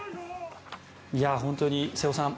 本当に瀬尾さん